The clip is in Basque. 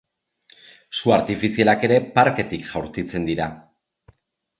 Su artifizialak ere parketik jaurtitzen dira.